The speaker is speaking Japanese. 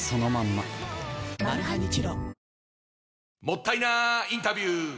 もったいなインタビュー！